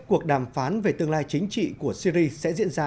cuộc đàm phán về tương lai chính trị của syri sẽ diễn ra